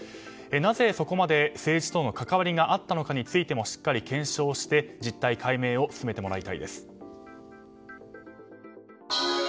なぜそこまで政治との関わりがあったかについてもしっかり検証して実態解明を進めてもらいたいです。